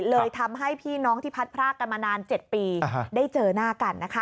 เลยทำให้พี่น้องที่พัดพรากกันมานาน๗ปีได้เจอหน้ากันนะคะ